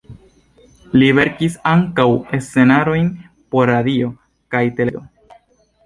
Li verkis ankaŭ scenarojn por radio kaj televido.